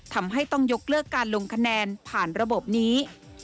ทำให้ต้องยกเลิกการลงคะแนนผ่านระบบนี้